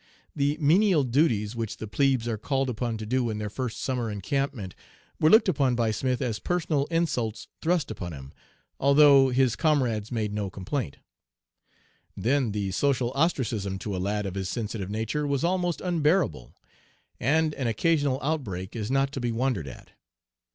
The menial duties which the 'plebes' are called upon to do in their first summer encampment were looked upon by Smith as personal insults thrust upon him, althought his comrades made no complaint. Then the social ostracism to a lad of his sensitive nature was almost unbearable, and an occasional outbreak is not to be wondered at.